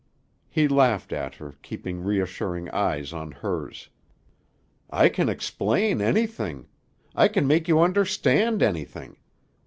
He laughed at her, keeping reassuring eyes on hers. "I can explain anything. I can make you understand anything.